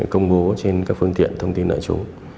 công bố trên các phương tiện thông tin đại chúng